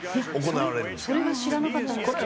それは知らなかったんですけど。